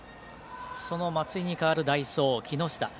その松井に代わる代走の木下。